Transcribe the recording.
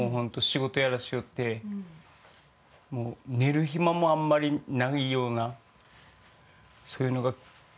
仕事やらしよってもう寝るひまもあんまりないようなそういうのが。